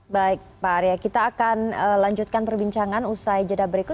baik pak arya kita akan lanjutkan perbincangan usai jeda berikut